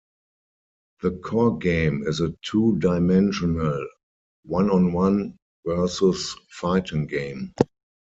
The core game is a two-dimensional, one-on-one, versus fighting game.